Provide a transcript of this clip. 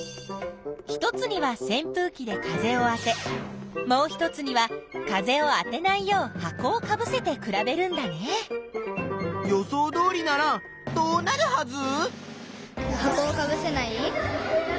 １つには扇風機で風をあてもう１つには風をあてないよう箱をかぶせて比べるんだね。予想どおりならどうなるはず？